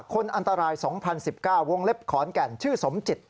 คนอันตราย๒๐๑๙วงเล็บขอนแก่นชื่อสมจิต